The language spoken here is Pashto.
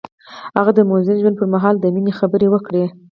هغه د موزون ژوند پر مهال د مینې خبرې وکړې.